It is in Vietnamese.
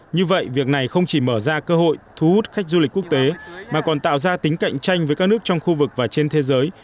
như vậy việc này không chỉ mở ra cơ hội thu hút khách du lịch quốc tế mà còn tạo ra tính cạnh tranh với các nước trong khu vực và trên thế giới